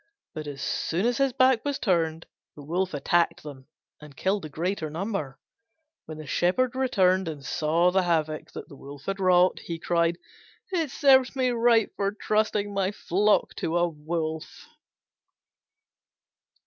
But as soon as his back was turned the Wolf attacked them and killed the greater number. When the Shepherd returned and saw the havoc he had wrought, he cried, "It serves me right for trusting my flock to a Wolf."